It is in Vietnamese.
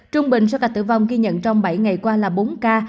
trung bình số ca tử vong ghi nhận trong bảy ngày qua là bốn ca